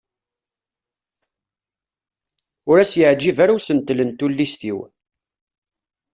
Ur as-yeɛǧib ara usentel n tullist-iw.